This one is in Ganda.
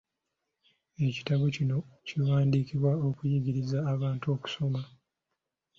Ekitabo kino kiwandiikiddwa okuyigiriza abantu okusoma.